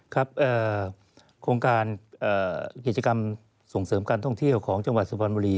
ครับโครงการกิจกรรมส่งเสริมการท่องเที่ยวของจังหวัดสุพรรณบุรี